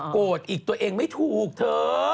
โกรธอีกตัวเองไม่ถูกเถอะ